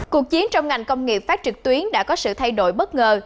cuộc chiến trong ngành công nghiệp phát trực tuyến đã có sự thay đổi bất ngờ